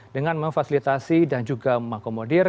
dengan memfasilitasi dan juga mengakomodir